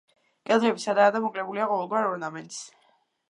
კედლები სადაა და მოკლებულია ყოველგვარ ორნამენტს.